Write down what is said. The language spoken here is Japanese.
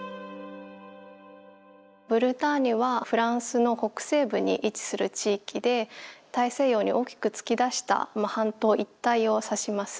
ブルターニュはフランスの北西部に位置する地域で大西洋に大きく突き出した半島一帯を指します。